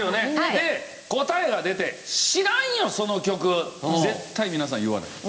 で答えが出て「知らんよ！その曲」って絶対皆さん言わないです。